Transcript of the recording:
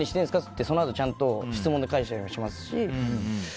ってちゃんと質問で返したりしますし。